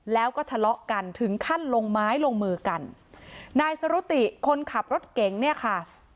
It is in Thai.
แล้วก็ทะเลาะกันถึงขั้นลงไม้ลงมือกันนายสรุติคนขับรถเก๋งเนี่ยค่ะ